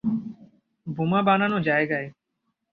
বোমা বানানো জায়গায়।